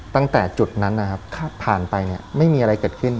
ตั้งแต่จุดนั้นนะครับผ่านไปเนี่ยไม่มีอะไรเกิดขึ้น